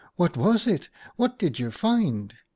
"' What was it ? What did you find